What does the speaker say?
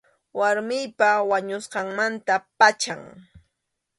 Warmiypa wañusqanmanta pacham.